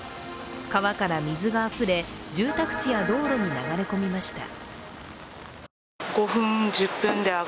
川から水があふれ住宅地や道路に流れ込みました。